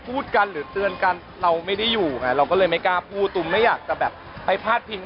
พูดกันหรือเตือนกันเราไม่ได้อยู่ไงเราก็เลยไม่กล้าพูดตูมไม่อยากจะแบบไปพาดพิง